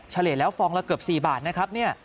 เฉลี่ยแล้วฟองละเกือบ๔บาทนะครับ